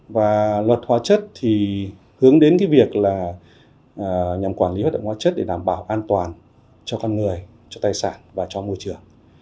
và luật hóa chất thì hướng đến cái việc là nhằm quản lý hoạt động hóa chất để đảm bảo an toàn cho con người cho tài sản và cho môi trường